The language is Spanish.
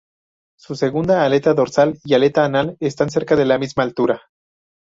Su segunda aleta dorsal y aleta anal están cerca de la misma altura.